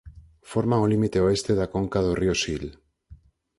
Forman o límite oeste da conca do río Sil.